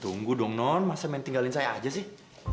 tunggu dong non masa main tinggalin saya aja sih